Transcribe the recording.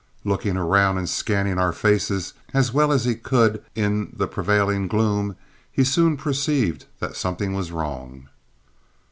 Looking round and scanning our faces as well as he could in the prevailing gloom, he soon perceived that something was wrong.